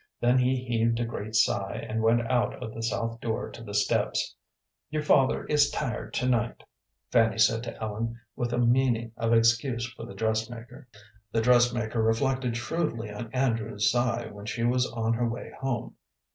Then he heaved a great sigh, and went out of the south door to the steps. "Your father is tired to night," Fanny said to Ellen with a meaning of excuse for the dressmaker. The dressmaker reflected shrewdly on Andrew's sigh when she was on her way home.